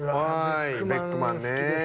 ベックマン好きです。